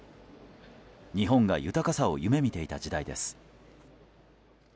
日本が、豊かさを夢見ていた時代です。